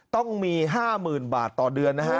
ต้องมี๕๐๐๐บาทต่อเดือนนะฮะ